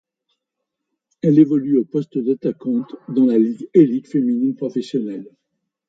Elle évolue au poste d'attaquante dans la ligue élite féminine professionnelle.